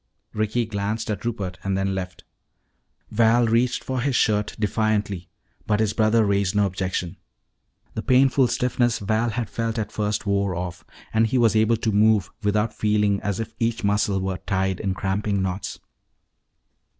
Ricky glanced at Rupert and then left. Val reached for his shirt defiantly. But his brother raised no objection. The painful stiffness Val had felt at first wore off and he was able to move without feeling as if each muscle were tied in cramping knots.